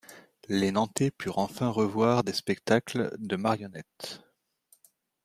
Les Nantais purent enfin revoir des spectacles de marionnettes.